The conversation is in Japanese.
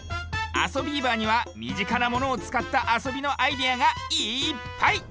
「あそビーバー」にはみぢかなものをつかったあそびのアイデアがいっぱい！